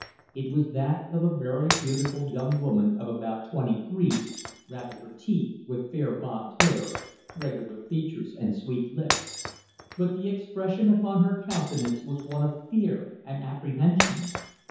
It was that of a very beautiful young woman of about twenty three, rather petite, with fair bobbed hair, regular features, and sweet lips. But the expression upon her countenance was one of fear and apprehension.